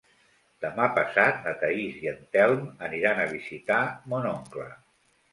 Demà passat na Thaís i en Telm aniran a visitar mon oncle.